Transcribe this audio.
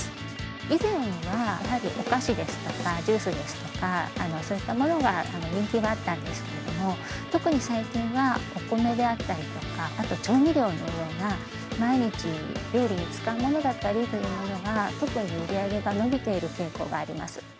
以前はやはりお菓子ですとか、ジュースですとか、そういったものが人気はあったんですけれども、特に最近は、お米であったりとか、あと調味料のような、毎日料理に使うものだったりというものが、特に売り上げが伸びている傾向があります。